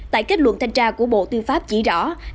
tại kết luận thanh tra của bộ tư pháp chỉ rõ